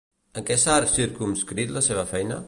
En què s'ha circumscrit la seva feina?